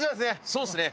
そうですね。